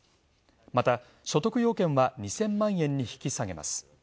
また所得要件は２０００万円に引き下げます。